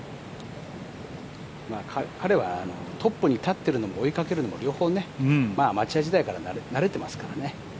彼はトップになっているのも追いかけるのもアマチュア時代から慣れていますからね。